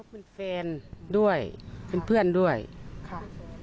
เป็นแฟนด้วยเป็นเพื่อนด้วยค่ะ